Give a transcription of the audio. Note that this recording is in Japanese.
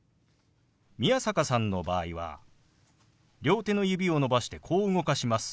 宮坂さんの場合は両手の指を伸ばしてこう動かします。